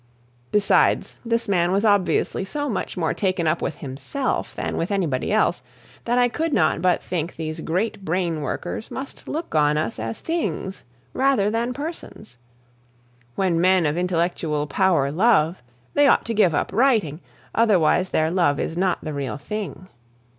Besides, this man was obviously so much more taken up with himself than with anybody else, that I could not but think these great brain workers must look on us as things rather than persons. When men of intellectual power love, they ought to give up writing, otherwise their love is not the real thing.